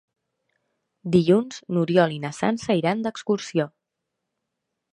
Dilluns n'Oriol i na Sança iran d'excursió.